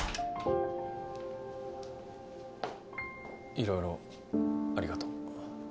いろいろありがとう。